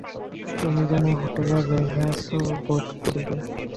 তুমি যেন হোটেলে রহিয়াছ, বোধ করিবে।